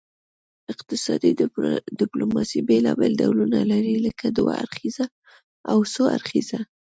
اقتصادي ډیپلوماسي بیلابیل ډولونه لري لکه دوه اړخیزه او څو اړخیزه